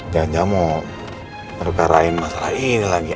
jangan jangan mau perkarain masalah ini lagi